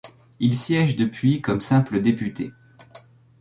Il siège depuis comme simple député.